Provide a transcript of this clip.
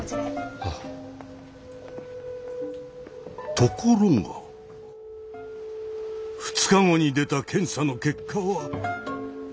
ところが２日後に出た検査の結果は意外にも。